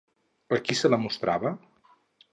A qui se la mostrava?